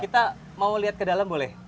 kita mau lihat ke dalam boleh